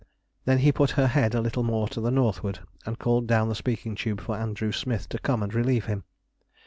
Then he put her head a little more to the northward, and called down the speaking tube for Andrew Smith to come and relieve him.